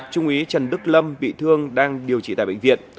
trung úy trần đức lâm bị thương đang điều trị tại bệnh viện